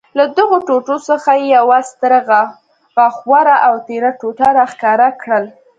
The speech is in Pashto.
له دغو ټوټو څخه یې یوه ستره، غاښوره او تېره ټوټه را ښکاره کړل.